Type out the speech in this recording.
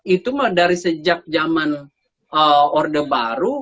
itu mah dari sejak zaman orde baru